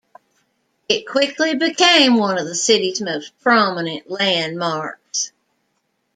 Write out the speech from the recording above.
It quickly became one of the city's most prominent landmarks.